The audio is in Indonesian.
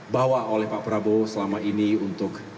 bawa oleh pak prabowo selama ini untuk